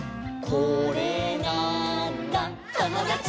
「これなーんだ『ともだち！』」